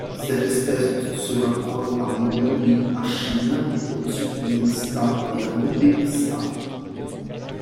Cette espèce se rencontre en Mongolie, en Chine, au Turkménistan et en Ouzbékistan.